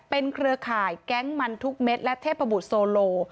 เครือข่ายแก๊งมันทุกเม็ดและเทพบุตรโซโล